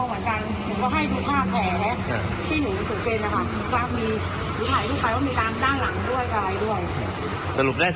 ก็มีผู้ถ่ายทุกคนว่ามีด้านหลังด้วยด้ายด้วย